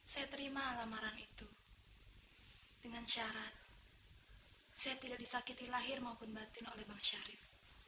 saya terima lamaran itu dengan syarat saya tidak disakiti lahir maupun batin oleh bang syarif